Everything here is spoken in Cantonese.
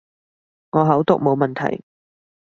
我口讀冇問題